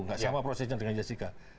nggak sama prosesnya dengan jessica